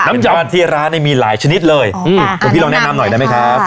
น้ำจานที่ร้านเนี่ยมีหลายชนิดเลยคุณพี่ลองแนะนำหน่อยได้ไหมครับ